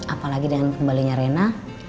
apalagi dengan kembalinya rena